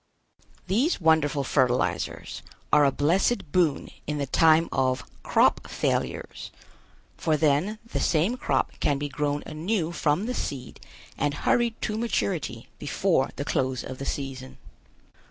These wonderful fertilizers are a blessed boon in the time of "crop failures," for then the same crop can be grown anew from the seed and hurried to maturity before the close of the season.